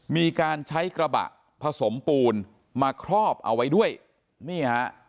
มีการใช้กระบะผสมปูนมาครอบเอาไว้ด้วยนี่ฮะ